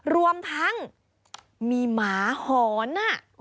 รวมทั้งมีหมาหอน